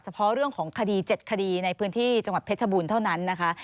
เพาะเรื่องของคดี๗คดีในพื้นที่จังหวัดเพชรบูรณ์เท่านั้นนะคะ